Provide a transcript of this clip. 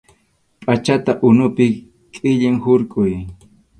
Pʼachata unupi qhillin hurquy.